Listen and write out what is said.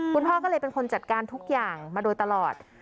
คุณพ่อก็เลยเป็นคนจัดการทุกอย่างมาโดยตลอด